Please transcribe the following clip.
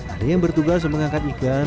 ada yang bertugas mengangkat ikan